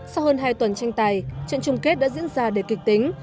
sau hơn hai tuần tranh tài trận chung kết đã diễn ra đầy kịch tính